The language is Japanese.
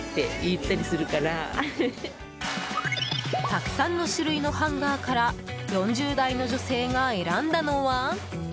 たくさんの種類のハンガーから４０代の女性が選んだのは。